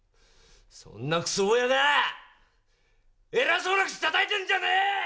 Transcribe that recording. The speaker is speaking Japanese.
そんなくそ親が偉そうな口たたいてんじゃねえ！